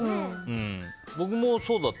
僕もそうだった。